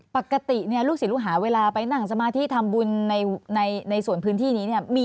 ปกติลูกศิลป์หาเวลาไปหนังสมาธิธรรมบุญในส่วนพื้นที่นี่